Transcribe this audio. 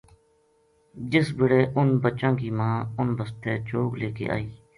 جس بِڑے انھ بچاں کی ماں اُنھ بسطے چوگ لے کے اَئی